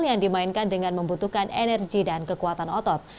yang dimainkan dengan membutuhkan energi dan kekuatan otot